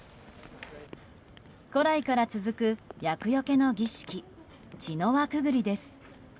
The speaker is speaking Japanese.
古来から続く厄除けの儀式茅の輪くぐりです。